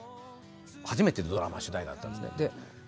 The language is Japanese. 初めてのドラマ主題歌だったんですね。